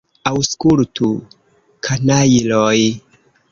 Aŭskultu, kanajloj!